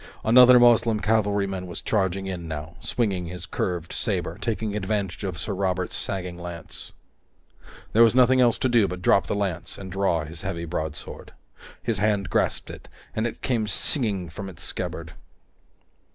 Another Moslem cavalryman was charging in now, swinging his curved saber, taking advantage of Sir Robert's sagging lance. There was nothing else to do but drop the lance and draw his heavy broadsword. His hand grasped it, and it came singing from its scabbard.